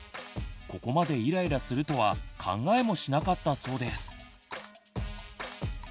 ここまでイライラするとは考えもしなかったそうです。